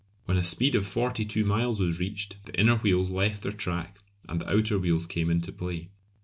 When a speed of 42 miles was reached the inner wheels left their track, and the outer wheels came into play.